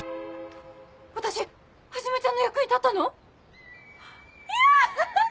私はじめちゃんの役に立ったの⁉イヤ！